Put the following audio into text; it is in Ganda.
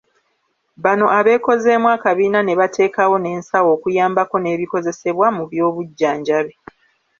Bano abeekozeemu akabiina ne bateekawo n'ensawo okuyambako n'ebikozesebwa mu by'obujjanjabi.